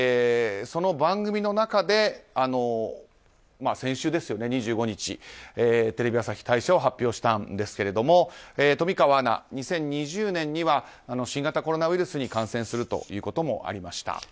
その番組の中で、先週２５日テレビ朝日退社を発表したんですが富川アナ、２０２０年には新型コロナウイルスに感染するということもありました。